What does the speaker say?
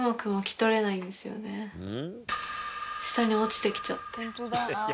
下に落ちてきちゃって。